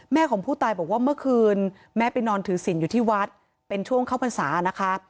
ของผู้ตายบอกว่าเมื่อคืนแม่ไปนอนถือศิลป์อยู่ที่วัดเป็นช่วงเข้าพรรษานะคะ